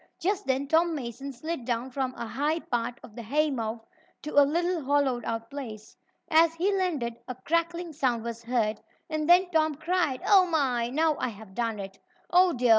Just then Tom Mason slid down from a high part of the haymow to a little hollowed out place. As he landed, a crackling sound was heard, and then Tom cried: "Oh, my! Now I have done it! Oh, dear!